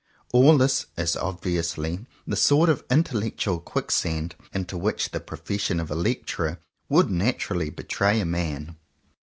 All this is obviously the sort of intellectual quicksand into which the pro fession of a lecturer would naturally betray a man.